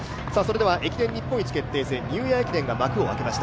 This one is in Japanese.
駅伝日本一決定戦・ニューイヤー駅伝が幕を開けました。